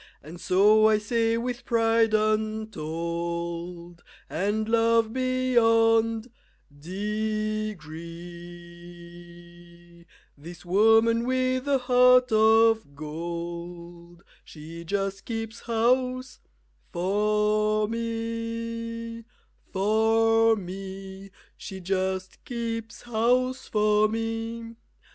And so I say with pride untold And love beyond degree, This woman with the heart of gold She just keeps house for me For me, She just keeps house for me.